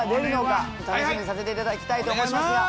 楽しみにさせていただきたいと思いますが。